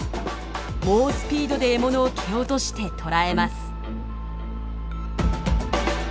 猛スピードで獲物を蹴落として捕らえます。